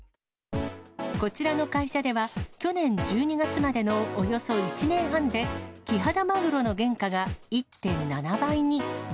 こちらの会社では、去年１２月までのおよそ１年半で、キハダマグロの原価が１．７倍に。